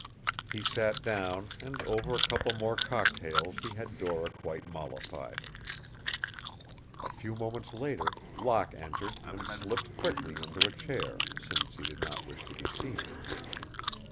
He sat down, and over a couple more cocktails he had Dora quite mollified. A few moments later Locke entered and slipped quickly into a chair, since he did not wish to be seen.